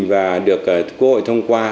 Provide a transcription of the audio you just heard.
và được quốc hội thông qua